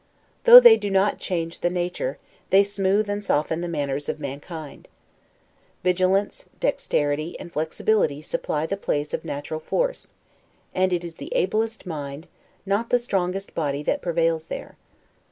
Though they do not change the nature, they smooth and soften the manners of mankind. Vigilance, dexterity, and flexibility supply the place of natural force; and it is the ablest mind, not the strongest body that prevails there.